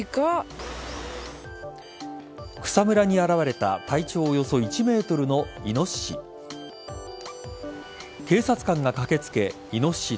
草むらに現れた体長およそ１ｍのイノシシ。